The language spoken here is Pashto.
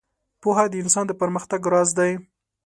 • پوهه د انسان د پرمختګ راز دی.